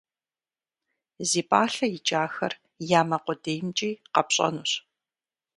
Зи пӏалъэ икӏахэр я мэ къудеймкӏи къэпщӏэнущ.